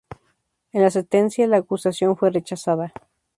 En la sentencia, la acusación fue rechazada.